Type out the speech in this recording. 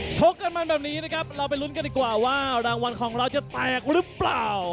ชกกันมันแบบนี้นะครับเราไปลุ้นกันดีกว่าว่ารางวัลของเราจะแตกหรือเปล่า